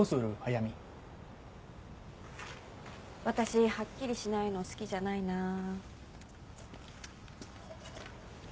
私はっきりしないの好きじゃないな。